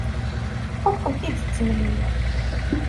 Ur kent-id-ttemliliɣ.